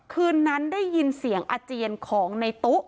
คืนนั้นได้ยินเสียงอาเจียนของในตู้